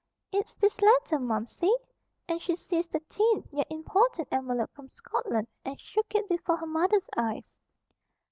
It's this letter, Momsey," and she seized the thin yet important envelope from Scotland and shook it before her mother's eyes.